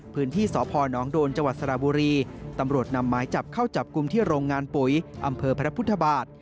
พื้นที่สพนโดนจังหวัดสระบุรีตำรวจนำหมายจับเข้าจับกลุ่มที่โรงงานปุ๋ยอำเภอพระพุทธบาท